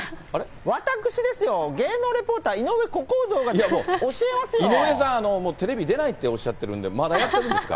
私ですよ、芸能レポーター、井上さん、もうテレビ出ないっておっしゃってるんで、まだやってるんですか。